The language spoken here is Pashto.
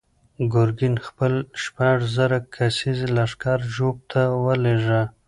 ګورګین خپل شپږ زره کسیز لښکر ژوب ته ولېږه.